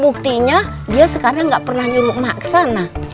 buktinya dia sekarang nggak pernah nyuruh mak ke sana